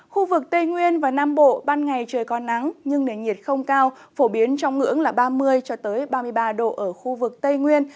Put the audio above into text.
khu vực tây nguyên và nam bộ ban ngày trời có nắng nhưng nền nhiệt không cao phổ biến trong ngưỡng là ba mươi ba mươi ba độ ở khu vực tây nguyên